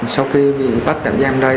sau khi bị bắt tạm giam đây